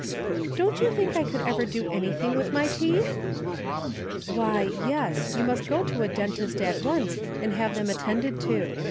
" Don't you think I could ever do anything with my teeth ?"" Why yes, you must go to a dentist at once and have them attended to.